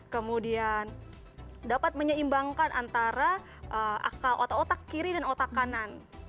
kemudian dapat menyeimbangkan antara otak kiri dan otak kanan